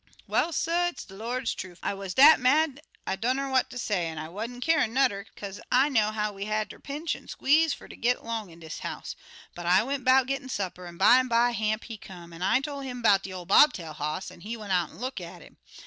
"Well, suh, it's de Lord's trufe, I wuz dat mad I dunner what I say, an' I wa'n't keerin' nudder, bekaze I know how we had ter pinch an' squeeze fer ter git long in dis house. But I went 'bout gittin' supper, an' bimeby, Hamp, he come, an' I told 'im 'bout de ol' bob tail hoss, an' he went out an' look at 'im.